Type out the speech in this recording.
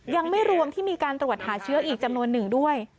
ยังไม่รวมที่มีการตรวจหาเชื้ออีกจำนวนหนึ่งด้วย